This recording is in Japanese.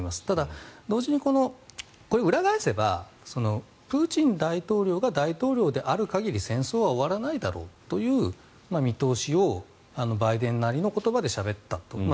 ただ、同時に裏返せばプーチン大統領が大統領である限り戦争は終わらないだろうという見通しをバイデンなりの言葉でしゃべったと。